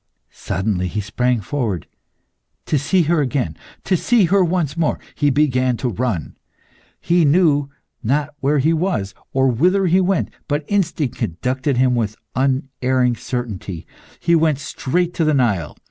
Suddenly he sprang forward. "To see her again, to see her once more!" He began to run. He knew not where he was, or whither he went, but instinct conducted him with unerring certainty; he went straight to the Nile.